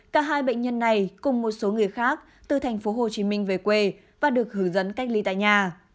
cả hai bệnh nhân này cùng một số người khác từ thành phố hồ chí minh về quê và được hứa dẫn cách ly tại nhà